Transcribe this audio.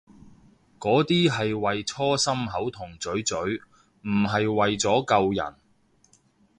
嗰啲係為搓心口同嘴嘴，唔係為咗救人